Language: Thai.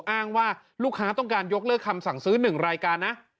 อ้างว่าลูกค้าต้องการยกเลิกคำสั่งซื้อ๑รายการนะ